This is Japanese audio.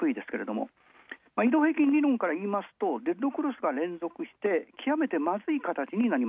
移動平均理論からいいますとあデットクロスはきわめてまずい形に。